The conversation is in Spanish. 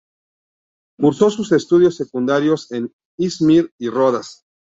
Cursó sus estudios secundarios en İzmir y Rodas.